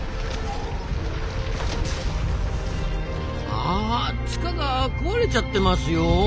あ塚が壊れちゃってますよ。